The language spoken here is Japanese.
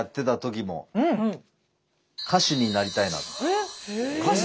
えっ歌手？